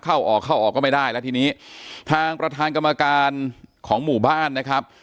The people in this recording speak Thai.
เข้าออกเข้าออกก็ไม่ได้แล้วทีนี้ทางประธานกรรมการของหมู่บ้านนะครับ